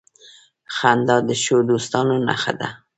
• خندا د ښو دوستانو نښه ده.